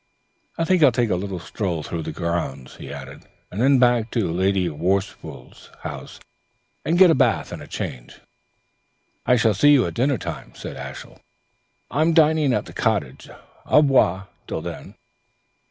I think I'll take a little stroll through the grounds," he added, "and then back to Lady Ruth Worsfold's house, and get a bath and a change." "I shall see you at dinner time," said Ashiel. "I am dining at the cottage. Au revoir till then."